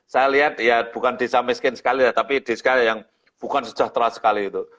saya lihat ya bukan desa miskin sekali ya tapi desa yang bukan sejahtera sekali itu